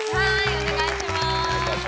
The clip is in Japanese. お願いいたします。